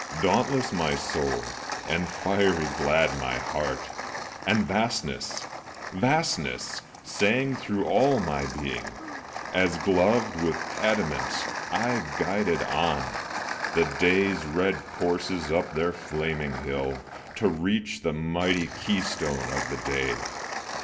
Dauntless my soul, and fiery glad my heart, And "vastness," "vastness," sang through all my being, As gloved with adamant I guided on The day's red coursers up their flaming hill, To reach the mighty keystone of the day.